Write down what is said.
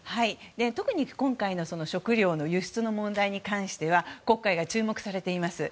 特に今回の食糧の輸出の問題に関しては黒海が注目されています。